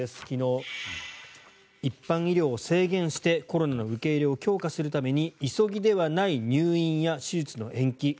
昨日、一般医療を制限してコロナの受け入れを強化するために急ぎではない入院や手術の延期